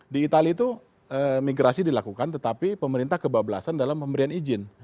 di itali itu migrasi dilakukan tetapi pemerintah kebablasan dalam pemberian izin